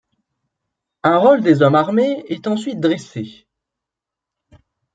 Un rôle des hommes armés est ensuite dressé.